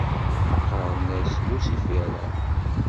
Qqaren-as Lucifera